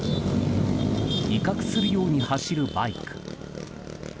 威嚇するように走るバイク。